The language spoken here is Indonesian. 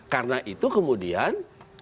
karena itu kemudian